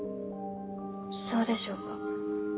そうでしょうか。